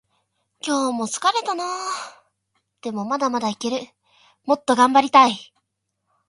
今日も疲れたな。でもまだまだいける。もっと頑張りたい。